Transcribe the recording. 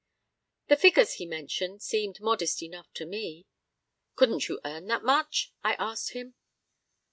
The figures he mentioned seemed modest enough to me. "Couldn't you earn that much?" I asked him.